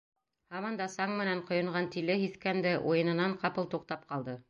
Һаман да саң менән ҡойонған тиле һиҫкәнде, уйынынан ҡапыл туҡтап ҡалды.